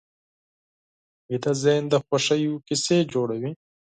ویده ذهن د خوښیو کیسې جوړوي